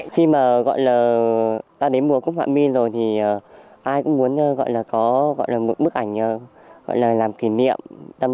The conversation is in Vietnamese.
khi đến mùa cúc họa my rồi thì ai cũng muốn có một bức ảnh làm kỷ niệm